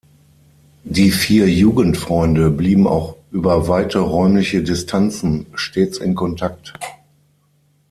Die vier Jugendfreunde blieben auch über weite räumliche Distanzen stets in Kontakt.